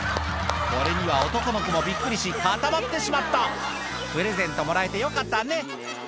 これには男の子もびっくりし固まってしまったプレゼントもらえてよかったね